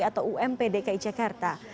atau ump dki jakarta